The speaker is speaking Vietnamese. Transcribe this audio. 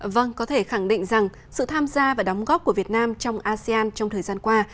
vâng có thể khẳng định rằng sự tham gia và đóng góp của việt nam trong asean trong thời gian qua